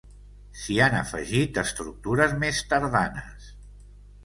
S'hi han afegit estructures més tardanes.